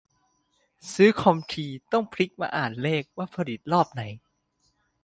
ซื้อคอมทีต้องพลิกมาอ่านเลขว่าผลิตรอบไหน